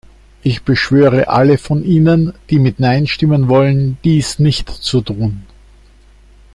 Ich beschwöre alle von Ihnen, die mit Nein stimmen wollen, dies nicht zu tun.